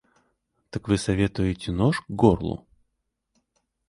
Так вы советуете нож к горлу?